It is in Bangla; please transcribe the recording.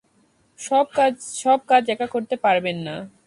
সব কাজ একা করতে পারবেন না।